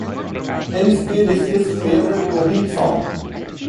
Ten Speed is his favorite Coheed song.